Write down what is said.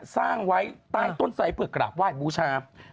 สร้างไว้ใต้ต้นไซดเพื่อกราบไหว้บูชา